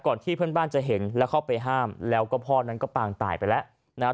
ที่เพื่อนบ้านจะเห็นแล้วเข้าไปห้ามแล้วก็พ่อนั้นก็ปางตายไปแล้วนะครับ